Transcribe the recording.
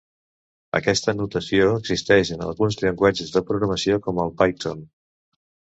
Aquesta notació existeix en alguns llenguatges de programació com el Python.